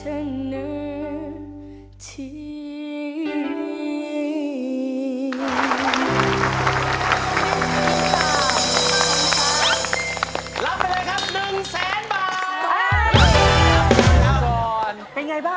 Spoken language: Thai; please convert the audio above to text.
รับไปเลยครับ๑แสนบาท